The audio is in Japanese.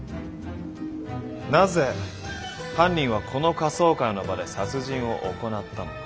なぜ犯人はこの仮装会の場で殺人を行ったのか。